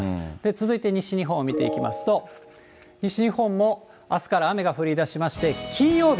続いて西日本を見ていきますと、西日本もあすから雨が降りだしまして、金曜日、